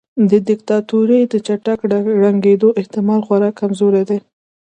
د دیکتاتورۍ د چټک ړنګیدو احتمال خورا کمزوری دی.